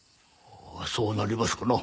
そうなりますかな。